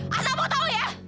hei asal pok tahu ya